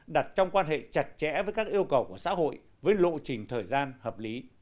đặt trong quan hệ chặt chẽ với các yêu cầu của xã hội với lộ trình thời gian hợp lý